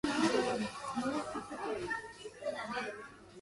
However, he is currently a student at the University of California, Irvine.